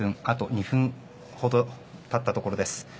あと２分ほどたったところです。